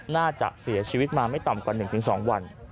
น่าจะเสียชีวิตมาไม่ต่ำกว่า๑๒วัน